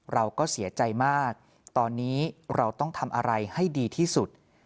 เราก็เสียใจมากตอนนี้เราต้องทำอะไรให้ดีที่สุด